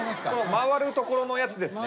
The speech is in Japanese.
回るところのやつですね。